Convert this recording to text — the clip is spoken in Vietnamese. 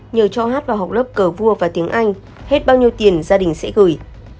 nhờ cho hát vào học lớp cờ vua và tiếng anh hết bao nhiêu tiền gia đình sẽ gửi